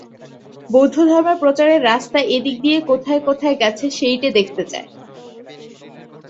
বৌদ্ধধর্ম-প্রচারের রাস্তা এ দিক দিয়ে কোথায় কোথায় গেছে সেইটে দেখতে চায়।